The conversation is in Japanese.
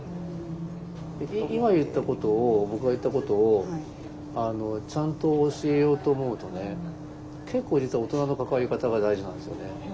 今言ったことを僕が言ったことをちゃんと教えようと思うとね結構実は大人の関わり方が大事なんですよね。